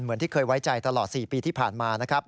เหมือนที่เคยไว้ใจตลอด๔ปีที่ผ่านมานะครับ